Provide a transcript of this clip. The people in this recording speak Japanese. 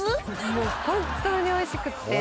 もう本当においしくて。